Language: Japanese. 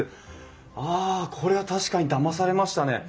あこれは確かにだまされましたね。